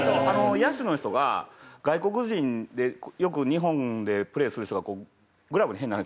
野手の人が外国人でよく日本でプレーする人がグラブに変な話。